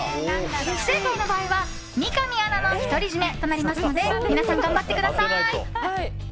不正解の場合は、三上アナの独り占めとなりますので皆さん、頑張ってください。